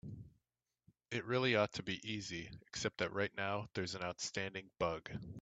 It really ought to be easy, except that right now there's an outstanding bug.